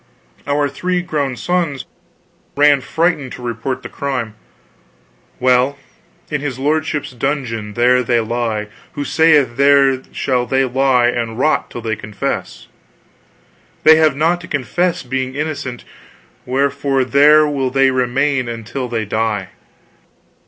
Our three grown sons ran frightened to report the crime. Well, in his lordship's dungeon there they lie, who saith there shall they lie and rot till they confess. They have naught to confess, being innocent, wherefore there will they remain until they die.